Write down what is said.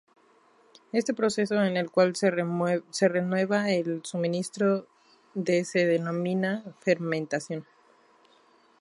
Este proceso en el cual se renueva el suministro de se denomina fermentación.